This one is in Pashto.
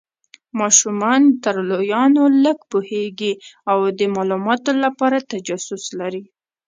ماشومان تر لویانو لږ پوهیږي او د مالوماتو لپاره تجسس لري.